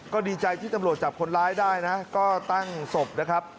ก็ดีใจที่ตำรวจจับคนร้ายได้นะก็ตั้งศพนะครับ